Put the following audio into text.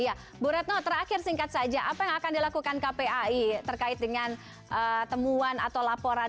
iya bu retno terakhir singkat saja apa yang akan dilakukan kpai terkait dengan temuan atau laporan